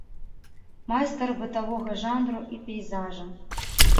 Майстар бытавога жанру і пейзажа.